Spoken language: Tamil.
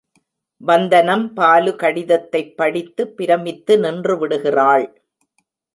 வந்தனம், பாலு கடிதத்தைப்படித்து பிரமித்து நின்றுவிடுகிறாள்.